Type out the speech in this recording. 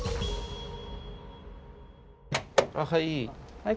はい。